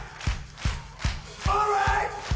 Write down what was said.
オーライ！